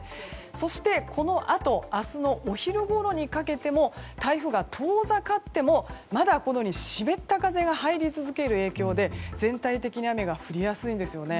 そして、このあと明日のお昼ごろにかけても台風が遠ざかってもまだこのように湿った風が入り続ける影響で全体的に雨が降りやすいですね。